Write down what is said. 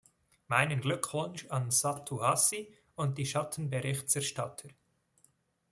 Meinen Glückwunsch an Satu Hassi und die Schattenberichterstatter.